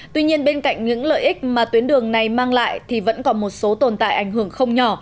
tuy nhiên bên cạnh những lợi ích mà tuyến đường này mang lại thì vẫn còn một số tồn tại ảnh hưởng không nhỏ